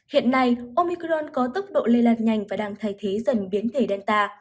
hiện nay omicron có tốc độ lây lan nhanh và đang thay thế dần biến thể delta